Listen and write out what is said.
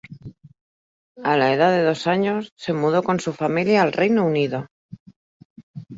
A la edad de dos años se mudó con su familia al Reino Unido.